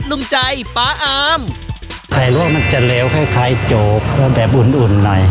ลุงใจป๊าอามไข่ลวกมันจะเลวคล้ายโจกว่าแบบอุ่นอุ่นหน่อย